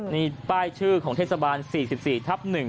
นี่ป้ายชื่อของเทศบาล๔๔ทับ๑